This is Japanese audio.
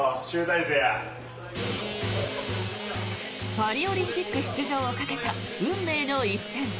パリオリンピック出場をかけた運命の一戦。